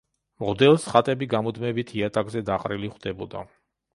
მღვდელს ხატები გამუდმებით იატაკზე დაყრილი ხვდებოდა.